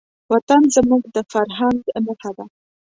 وطن زموږ د فرهنګ نښه ده.